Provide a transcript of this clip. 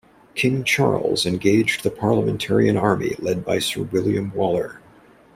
King Charles engaged the Parliamentarian army led by Sir William Waller.